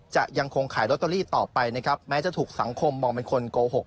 จะยังคงขายลอตเตอรี่ต่อไปนะครับแม้จะถูกสังคมมองเป็นคนโกหก